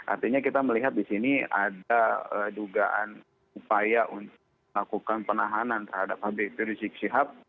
artinya kita melihat di sini ada dugaan upaya untuk melakukan penahanan terhadap habib rizik sihab